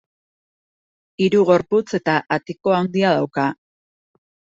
Hiru gorputz eta atiko handia dauka.